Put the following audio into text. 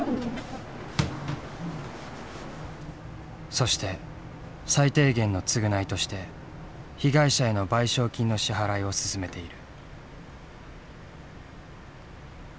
そして最低限の償いとして被害者への賠償金の支払いを進めている。